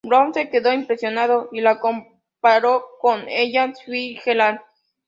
Brown se quedó impresionado y la comparó con Ella Fitzgerald.